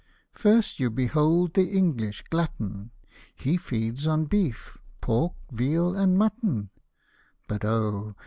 " First you behold the English glutton, He feeds on beef, pork, veal, and mutton ; But, Oh